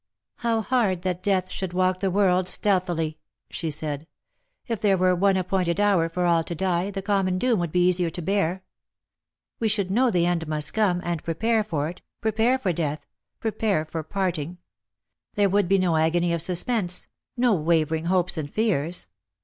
" How hard that death should walk the world stealthily !" she said. " If there were one appointed hour for all to die, the common doom would be easier to bear. We should know the end must come, and prepare for it — prepare for death — prepare for parting. There would be no agony of suspense — no waver ing hopes and fears.